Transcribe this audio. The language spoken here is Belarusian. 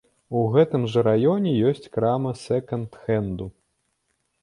У гэтым жа раёне ёсць крама сэканд-хэнду.